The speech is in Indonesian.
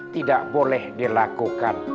tidak boleh dilakukan